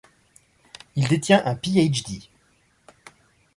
Il détient un Ph.D.